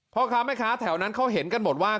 พ่อค้าแม่ค้าแถวนั้นเขาเห็นกันหมดว่า